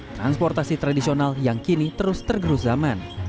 transportasi tradisional yang kini terus tergerus zaman